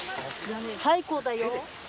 最高だよ。